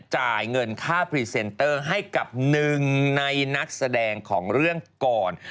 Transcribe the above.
จ่ายเงินค่าพรีเซนเตอร์ให้กับหนึ่งในนักแสดงของเรื่องก่อน